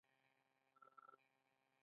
د موټرو روغتیا د ژوند خوندیتوب لپاره مهمه ده.